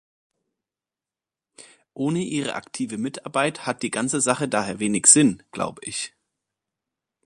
Ohne ihre aktive Mitarbeit hat die ganze Sache daher wenig Sinn, glaube ich.